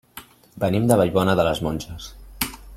Venim de Vallbona de les Monges.